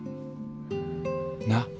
なっ！